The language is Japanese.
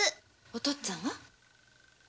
お父っつぁんは？